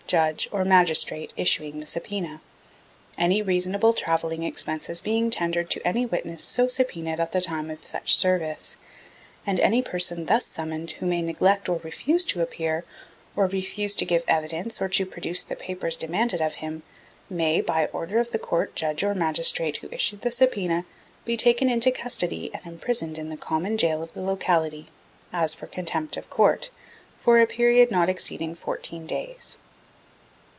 Judge, or Magistrate issuing the subpoena, any reasonable travelling expenses being tendered to any witness so subpoened at the time of such service. And any person thus summoned who may neglect or refuse to appear, or refuse to give evidence or to produce the papers demanded of him, may, by order of the Court, Judge or Magistrate who issued the subpoena, be taken into custody and imprisoned in the common gaol of the locality, as for contempt of Court, for a period not exceeding fourteen (14) days.